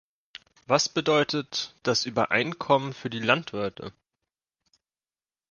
Was bedeutet das Übereinkommen für die Landwirte?